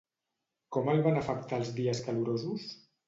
Com el van afectar els dies calorosos?